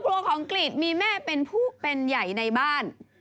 ของกรีดมีแม่เป็นผู้เป็นใหญ่ในบ้าน